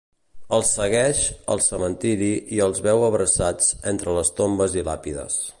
Els segueix al cementiri i els veu abraçats entre les tombes i làpides.